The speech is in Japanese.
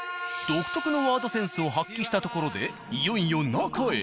独特のワードセンスを発揮したところでいよいよ中へ。